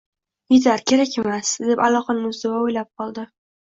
Etar, kerakmas, deb aloqani uzdi va o`ylab qoldi